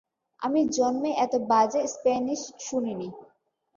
আমি জন্মে এত বাজে স্প্যানিশ শুনিনি।